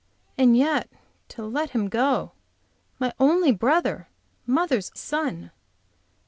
And yet to let him go! My only brother mother's Son!